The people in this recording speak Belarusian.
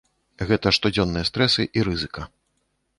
Гэта штодзённыя стрэсы і рызыка.